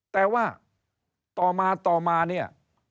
แต่ว่าต่อมาต่อมาเนี่ย